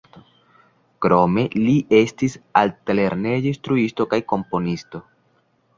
Krome li estis altlerneja instruisto kaj komponisto.